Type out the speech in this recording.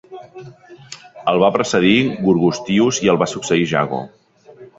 El va precedir Gurgustius i el va succeir Jago.